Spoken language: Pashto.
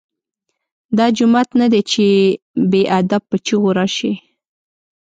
دا جومات نه دی چې بې ادب په چیغو راشې.